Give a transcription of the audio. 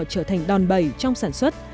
trở thành đòn bẩy trong sản xuất